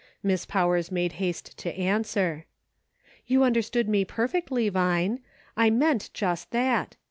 Miss Powers made haste to answer :" You understood me perfectly, Vine. I meant just that.